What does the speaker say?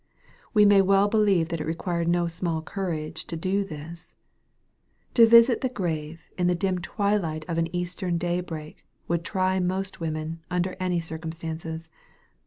We may well believe that it required no small courage to do this. To visit the grave in the dim twilight of an eastern day break, would try most women, under any circumstances.